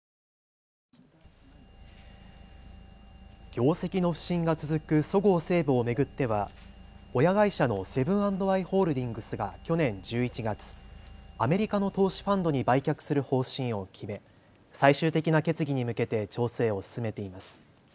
業績の不振が続くそごう・西武を巡っては親会社のセブン＆アイ・ホールディングスが去年１１月、アメリカの投資ファンドに売却する方針を決め、最終的な決議に向けて調整を進めています。